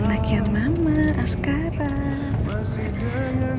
anaknya mama sekarang